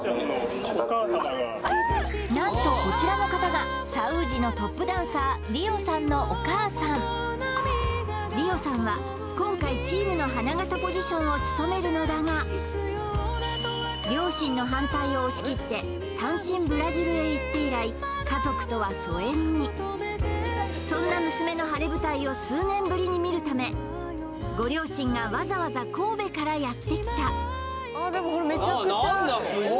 なんとこちらの方がサウーヂのトップダンサーりおさんのお母さんりおさんは今回チームの両親の反対を押し切って単身ブラジルへ行って以来そんな娘の晴れ舞台を数年ぶりに見るためご両親がわざわざ神戸からやってきた